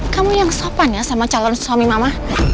kamu yang sopan ya sama calon suami mama